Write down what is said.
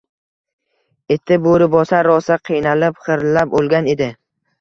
Iti Bo‘ribosar rosa qiynalib, xirillab o‘lgan edi